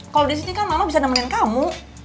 kalau disini kan mama bisa nemenin kamu